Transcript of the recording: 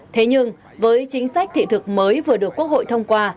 thế nhưng với chính sách thị thực mới vừa được quốc hội thông qua